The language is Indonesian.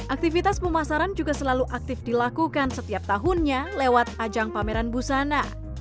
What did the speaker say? aktivitas pemasaran juga selalu aktif dilakukan setiap tahunnya lewat ajang pameran busana